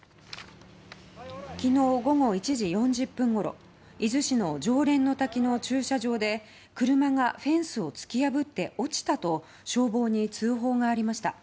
昨日午後１時４０分ごろ伊豆市の浄蓮の滝の駐車場で車がフェンスを突き破って落ちたと消防に通報がありました。